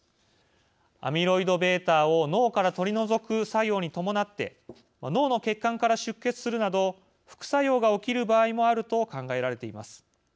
アミロイドβを脳から取り除く作用に伴って脳の血管から出血するなど副作用が起きる場合もあると考えられています。